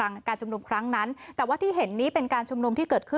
ตอนนี้เนี่ยนะคะตำรวจก็อ่าติดตามตัวคนที่เกาะเหตุได้แล้วนะคะ